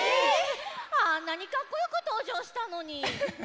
あんなにかっこよくとうじょうしたのに。